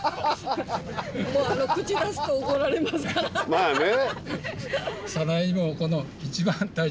まあね。